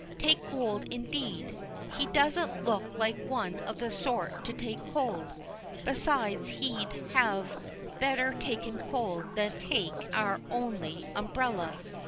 Take cold, indeed! He doesn't look like one of the sort to take cold. Besides, he'd have better taken cold than take our only umbrella.